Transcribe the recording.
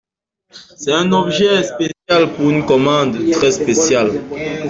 C’est un objet spécial pour une commande très spéciale.